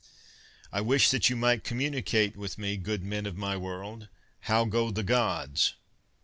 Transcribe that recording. I wish that you might communicate with me, good men of my world. How go the Gods?